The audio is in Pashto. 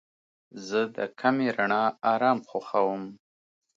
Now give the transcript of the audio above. زه د کمې رڼا آرام خوښوم.